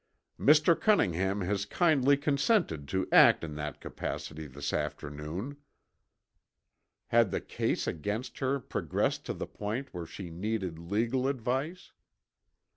"Mr. Cunningham has kindly consented to act in that capacity this afternoon." Had the case against her progressed to the point where she needed legal advice?